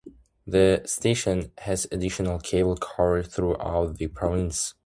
The station has additional cable coverage throughout the province.